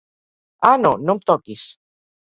"Ah no, no em toquis!